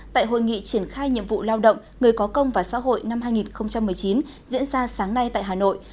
tại hội nghị triển khai nhiệm vụ lao động người có công và xã hội năm hai nghìn một mươi chín diễn ra sáng nay tại hà nội